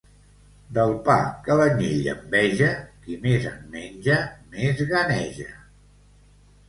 Del pa que l'anyell enveja, qui més en menja, més ganeja.